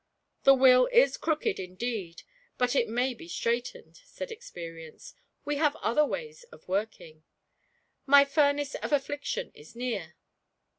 The Will is crooked indeed, but it may be straightened," said Experience; "we have other ways of working. My furnace of Affliction is near."